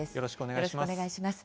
よろしくお願いします。